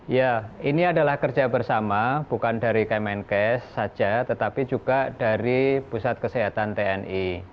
ya ini adalah kerja bersama bukan dari kemenkes saja tetapi juga dari pusat kesehatan tni